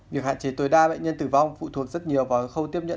việc hạn chế tối đa bệnh nhân tử vong phụ thuộc rất nhiều vào khâu tiếp nhận